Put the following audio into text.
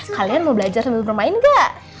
kalian mau belajar sambil bermain gak